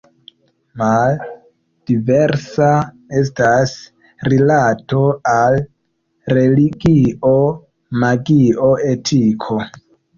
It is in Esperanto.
Male diversa estas rilato al religio, magio, etiko.